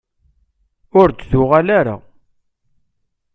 Ur d-tuɣal ara.